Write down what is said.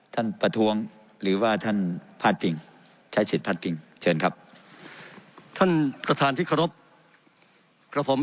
ท่านประทวงหรือว่าท่านพาตปิง